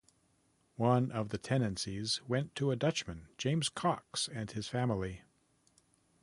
One of the tenancies went to a Dutchman, James Cox and his family.